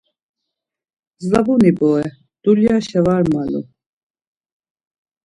Zabuni bore, dulyaşa var malu.